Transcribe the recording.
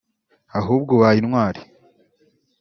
Ahubwo ubaye intwari